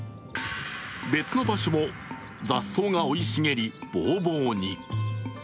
別の場所も雑草が生い茂るボーボーに。